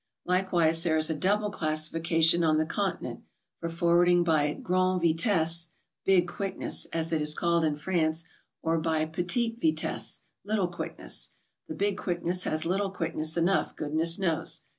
Likewise there is a double classification on the Continent, for forwarding by "grande vitesse," — big quickness, ^as it is called in France; or by "petite vitesse," — little quickness. The "big quickness" has little quickness enough, goodness knows.